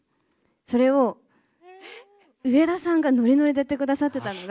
それを、上田さんがノリノリでやってくださってたのが。